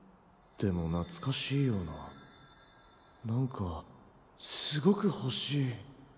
でもなつかしいようななんかすごくほしい。